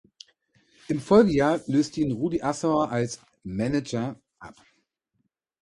Im Folgejahr löste ihn Rudi Assauer als „Manager“ ab.